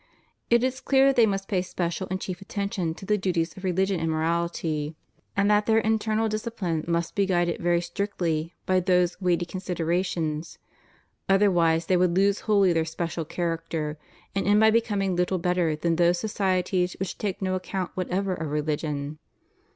It is clear that they must pay special and chief attention to the duties of religion and morality, and that their 244 CONDITION OF THE WORKING CLASSES. internal discipline must be guided very strictly by these weighty considerations; otherwise they would lose wholly their special character, and end by becoming little better than those societies which take no account whatever of rehgion.